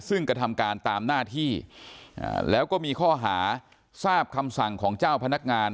ซึ่งกระทำการตามหน้าที่แล้วก็มีข้อหาทราบคำสั่งของเจ้าพนักงาน